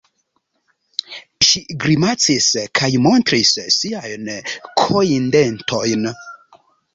Ŝi grimacis kaj montris siajn kojndentojn.